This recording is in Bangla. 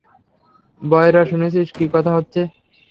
বয়রা শুনেছিস কী কথা হচ্ছে?